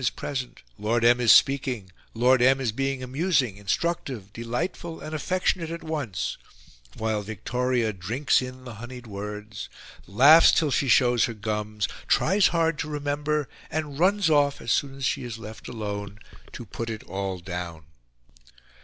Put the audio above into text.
is present, Lord M. is speaking, Lord M. is being amusing, instructive, delightful, and affectionate at once, while Victoria drinks in the honied words, laughs till she shows her gums, tries hard to remember, and runs off, as soon as she is left alone, to put it all down.